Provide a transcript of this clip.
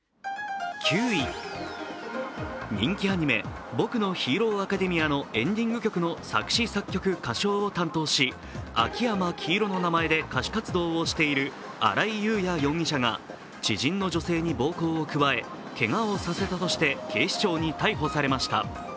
人気アニメ「僕のヒーローアカデミア」のエンディング曲の作詞・作曲・歌唱を担当し、秋山黄色の名前で歌手活動をしている新井悠也容疑者が知人の女性に暴行を加えけがをさせたとして警視庁に逮捕されました。